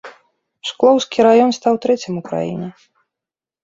Шклоўскі раён стаў трэцім у краіне.